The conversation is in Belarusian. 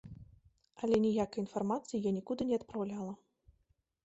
Але ніякай інфармацыі я нікуды не адпраўляла.